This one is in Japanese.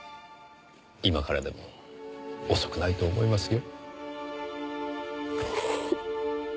今からでも遅くないと思いますよ。